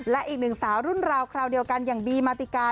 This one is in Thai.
และอีกหนึ่งสาวรุ่นราวคราวเดียวกันอย่างบีมาติกา